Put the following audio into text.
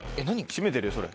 閉めてるよそれ。